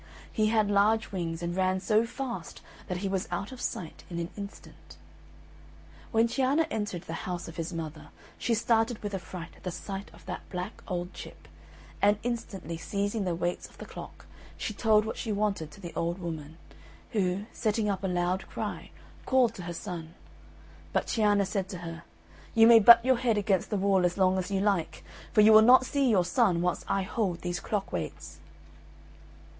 He had large wings, and ran so fast that he was out of sight in an instant. When Cianna entered the house of his mother, she started with affright at the sight of that black old chip; and instantly seizing the weights of the clock, she told what she wanted to the old woman, who, setting up a loud cry, called to her son. But Cianna said to her, "You may butt your head against the wall as long as you like, for you will not see your son whilst I hold these clock weights."